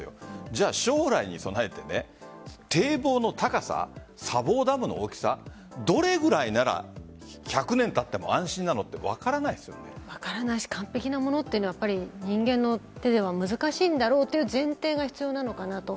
じゃあ、将来に備えて堤防の高さ砂防ダムの大きさどれくらいなら１００年たっても安心なのって分からないし完璧なものというのは人間の手では難しいんだろうという前提が必要なのかなと。